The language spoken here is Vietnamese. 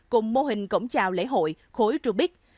cùng mô hình cổng chào lễ hội khối trù bích